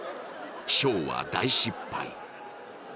ショーは大失敗。